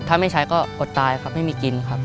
ถ้าไม่ใช้ก็อดตายครับไม่มีกินครับ